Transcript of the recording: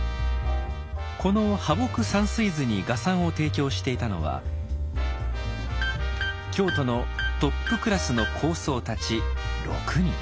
この「破墨山水図」に画賛を提供していたのは京都のトップクラスの高僧たち６人。